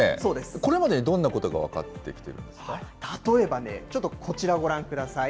これまでにどんなことが分かって例えばね、ちょっとこちらをご覧ください。